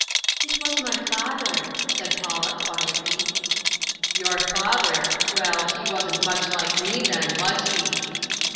"It was my father," said Paula quietly. "Your father! Well, he wasn't much like me, then; was he!"